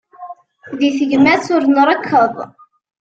Di tegmat ur nrekkeḍ.